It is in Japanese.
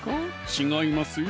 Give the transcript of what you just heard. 違いますよ